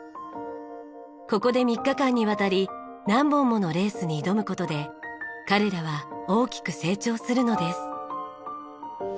ここで３日間にわたり何本ものレースに挑む事で彼らは大きく成長するのです。